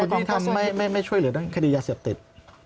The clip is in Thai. กล้องทุนที่ทำไม่ช่วยเหลือตั้งคดียาเสียบติด